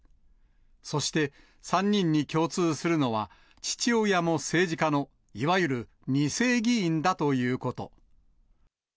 そして、３人に共通するのは父親も政治家のいわゆる２世議員だということ。